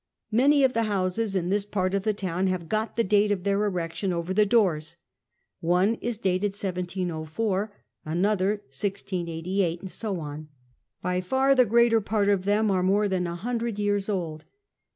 Many of the houses in this part of the town have got the date of their erection over the doors; one is dated 1701, another 1688, and so on ; by far the greater part of them arc more than a hundred years old.